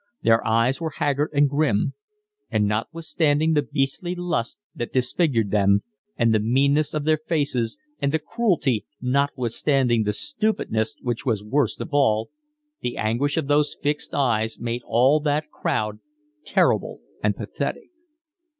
Their eyes were haggard and grim; and notwithstanding the beastly lust that disfigured them, and the meanness of their faces, and the cruelty, notwithstanding the stupidness which was worst of all, the anguish of those fixed eyes made all that crowd terrible and pathetic.